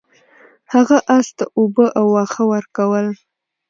هغه اس ته اوبه او واښه ورکول.